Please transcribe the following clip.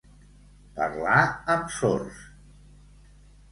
Parlar amb sords.